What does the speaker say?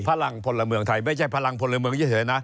พลังพลเมืองไทยไม่ใช่พลังพลเมืองเฉยนะ